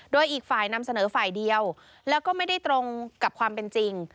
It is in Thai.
โดยอีกฝ่ายนำเสนอฝ่ายเดียวแล้วก็ไม่ได้ตรงกับความเป็นจริง